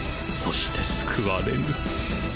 そして救われぬ。